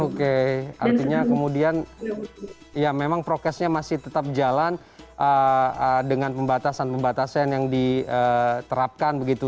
oke artinya kemudian ya memang prokesnya masih tetap jalan dengan pembatasan pembatasan yang diterapkan begitu